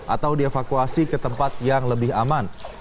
atau dievakuasi ke tempat yang lebih aman